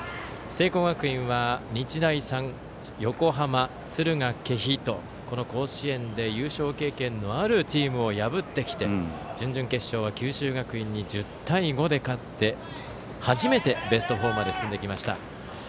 聖光学院は日大三、横浜敦賀気比と甲子園で優勝経験のあるチームを破ってきて準々決勝は九州学院に１０対５で勝って初めてベスト４まで進んできました。